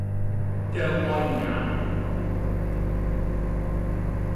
張開眼，